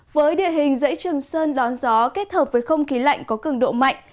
với địa hình dãy trường sơn đón gió kết hợp với không khí lạnh có cường độ mạnh